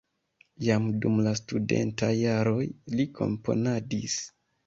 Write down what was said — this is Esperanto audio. Jam dum la studentaj jaroj li komponadis.